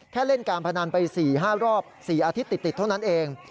เล่นการพนันไป๔๕รอบ๔อาทิตย์ติดเท่านั้นเอง